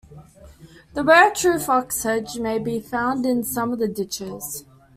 The rare true fox sedge may be found in some of the ditches.